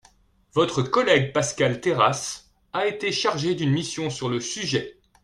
Votre collègue Pascal Terrasse a été chargé d’une mission sur le sujet.